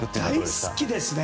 大好きですね。